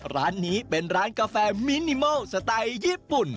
ร้านนี้เป็นร้านกาแฟมินิมอลสไตล์ญี่ปุ่น